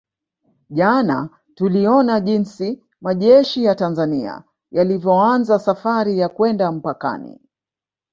Jana tuliona jinsi majeshi ya Tanzania yalivyoanza safari ya kwenda mpakani